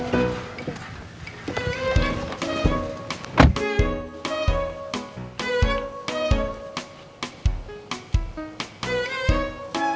terima kasih sayang